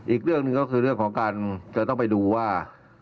อีกเรื่องหนึ่งก็คือเรื่องของการจะต้องไปดูว่า